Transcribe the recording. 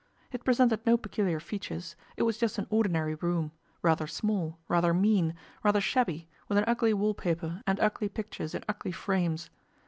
It presented no peculiar features: it was just an ordinary room, rather small, rather mean, rather shabby, with an ugly wallpaper and ugly pictures in ugly frames.